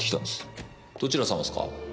どちら様ですか？